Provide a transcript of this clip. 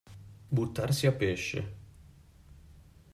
Buttarsi a pesce.